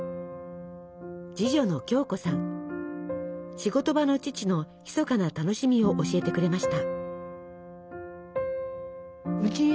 仕事場の父の秘かな楽しみを教えてくれました。